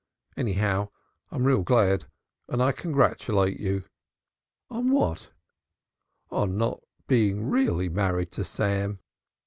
Anyhow I'm real glad and I congratulate you." "On what?" "On not being really married to Sam."